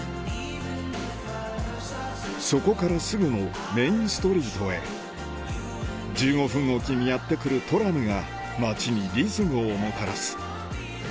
そこからすぐのメインストリートへ１５分置きにやって来るトラムが街にリズムをもたらす